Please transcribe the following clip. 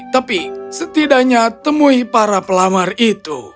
tapi setidaknya temui para pelamar itu